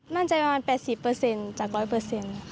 มั่นใจประมาณ๘๐เปอร์เซ็นต์จาก๑๐๐เปอร์เซ็นต์